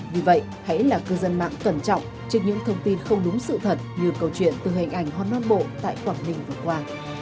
vì vậy hãy là cư dân mạng tuần trọng trên những thông tin không đúng sự thật như câu chuyện từ hình ảnh hòn đoan bộ tại quảng bình vừa qua